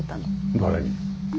誰に？